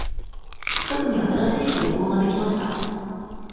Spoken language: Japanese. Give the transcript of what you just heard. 近くに新しい空港ができました。